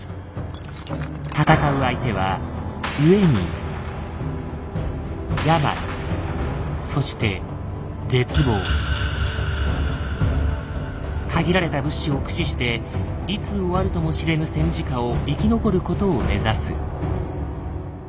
戦う相手はそして限られた物資を駆使していつ終わるとも知れぬ戦時下を生き残ることを目指す。